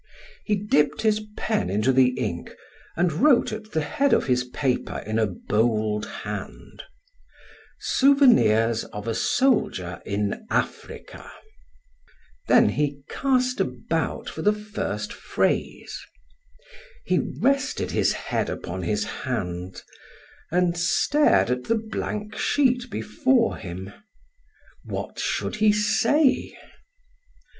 He dipped his pen into the ink and wrote at the head of his paper in a bold hand: "Souvenirs of a Soldier in Africa." Then he cast about for the first phrase. He rested his head upon his hand and stared at the blank sheet before him. What should he say?